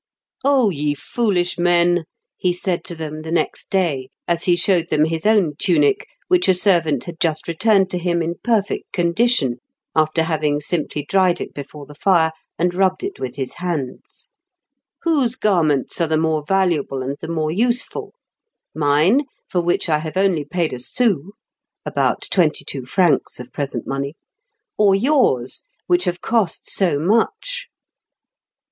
"Oh, ye foolish men!" he said to them the next day as he showed them his own tunic, which a servant had just returned to him in perfect condition, after having simply dried it before the fire and rubbed it with his hands. "Whose garments are the more valuable and the more useful? mine, for which I have only paid a sou (about twenty two francs of present money), or yours, which have cost so much?"